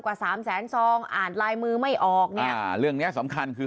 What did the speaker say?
สามแสนซองอ่านลายมือไม่ออกเนี่ยอ่าเรื่องเนี้ยสำคัญคือ